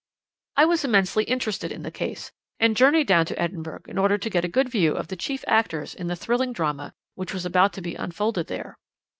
"I was immensely interested in the case, and journeyed down to Edinburgh in order to get a good view of the chief actors in the thrilling drama which was about to be unfolded there.